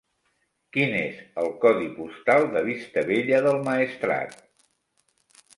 Quin és el codi postal de Vistabella del Maestrat?